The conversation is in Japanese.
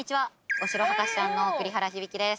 お城博士ちゃんの栗原響大です。